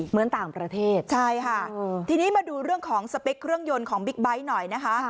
เหมือนต่างประเทศใช่ค่ะทีนี้มาดูเรื่องของสเปคเครื่องยนต์ของบิ๊กไบท์หน่อยนะคะ